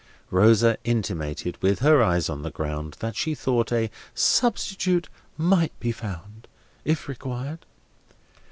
Rosa intimated, with her eyes on the ground, that she thought a substitute might be found, if required.